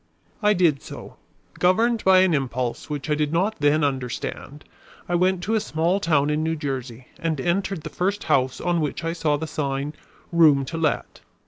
I did so. Governed by an impulse which I did not then understand, I went to a small town in New Jersey and entered the first house on which I saw the sign "Room to Let."